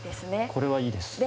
これはいいです。